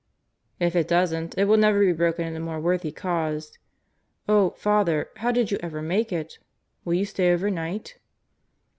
"If it doesn't, it will never be broken in a more worthy cause. Oh, Father, how did you ever make it? Will you stay overnight?"